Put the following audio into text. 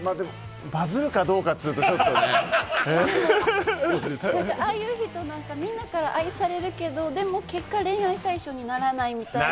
バズるかどうかでいうとちょっとねああいう人、みんなから愛されるけど、結果恋愛対象にならないみたいな。